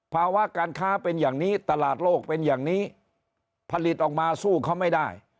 ภาวะการค้าเป็นอย่างนี้ตลาดโลกเป็นอย่างนี้ผลิตออกมาสู้เขาไม่ได้